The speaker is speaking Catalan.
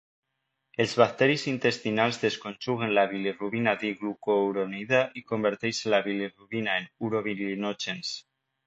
Els bacteris intestinals desconjuguen la bilirubina diglucuronida i converteixen la bilirubina en urobilinògens.